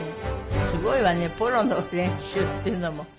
すごいわねポロの練習っていうのも。